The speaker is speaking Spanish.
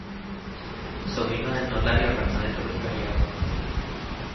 Sobrino del notario Rafael Ruiz Gallardón.